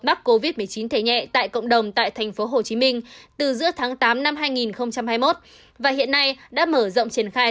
mắc covid một mươi chín thể nhẹ tại cộng đồng tại tp hcm từ giữa tháng tám năm hai nghìn hai mươi một và hiện nay đã mở rộng triển khai